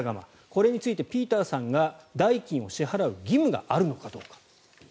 これについてピーターさんが代金を支払う義務があるのかどうか。